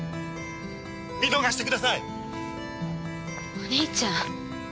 お兄ちゃん。